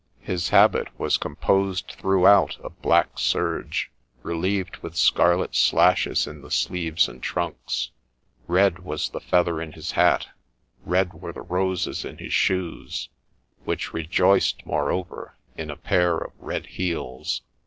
His habit was com posed throughout of black serge, relieved with scarlet slashes in the sleeves and trunks ; red was the feather in his hat, red were the roses in his shoes, which rejoiced moreover in a pair of red heels.